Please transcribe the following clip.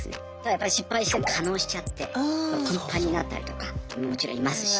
やっぱり失敗して化のうしちゃってパンパンになったりとかもちろんいますし。